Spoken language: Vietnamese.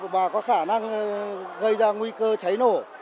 và có khả năng gây ra nguy cơ cháy nổ